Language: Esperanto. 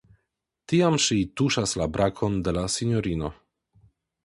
Tiam ŝi tuŝas la brakon de la sinjorino.